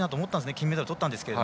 金メダルとったんですが。